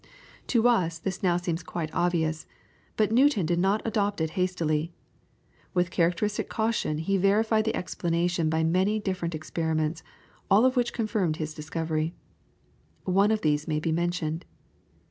To us this now seems quite obvious, but Newton did not adopt it hastily. With characteristic caution he verified the explanation by many different experiments, all of which confirmed his discovery. One of these may be mentioned.